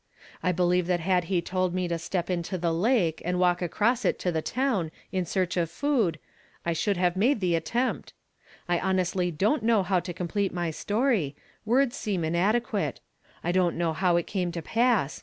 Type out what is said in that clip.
I believe that had he told me to step into the lake, and walk across it to the town in search of food, I should have made the attempt. I honestly don't know how to com plete my story ; words seem inadequate. I don't know how it came to pass.